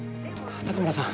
高村さん